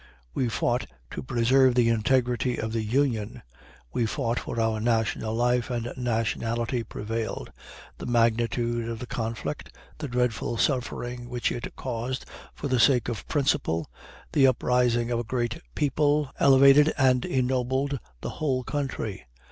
We fought to preserve the integrity of the Union; we fought for our national life, and nationality prevailed. The magnitude of the conflict, the dreadful suffering which it caused for the sake of principle, the uprising of a great people, elevated and ennobled the whole country.